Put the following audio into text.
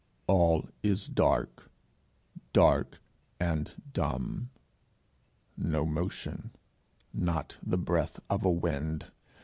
All is dark, dark and dumb; no motion not the breath of a wind!